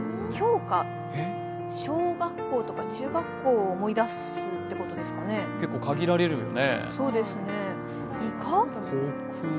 小学校とか中学校を思い出すってことですよね。